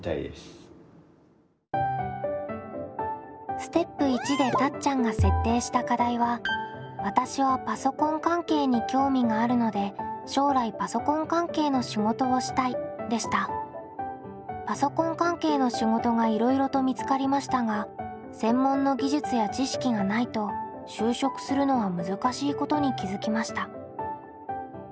ステップ①でたっちゃんが設定した課題はわたしはパソコン関係の仕事がいろいろと見つかりましたが専門の技術や知識がないと就職するのは難しいことに気付きました。